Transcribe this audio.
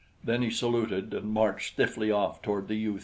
Then he saluted and marched stiffly off toward the U 33.